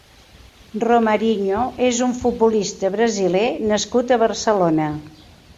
Romarinho és un futbolista brasiler nascut a Barcelona.